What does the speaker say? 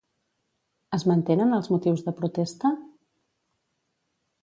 Es mantenen els motius de protesta?